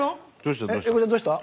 英孝ちゃんどうした？